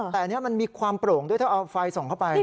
แต่อันนี้มันมีความโปร่งด้วยถ้าเอาไฟส่องเข้าไป